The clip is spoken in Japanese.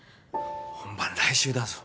本番来週だぞ。